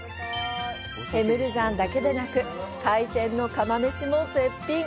ヘムルジャンだけでなく海鮮の釜飯も絶品。